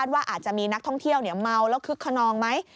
ว่าอาจจะมีนักท่องเที่ยวเมาแล้วคึกขนองไหม